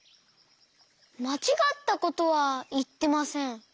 まちがったことはいってません。